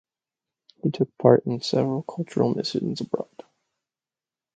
He took part in several cultural missions abroad.